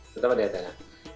tentang pada atena